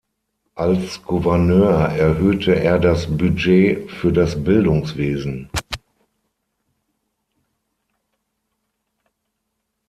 Als Gouverneur erhöhte er das Budget für das Bildungswesen.